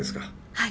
はい。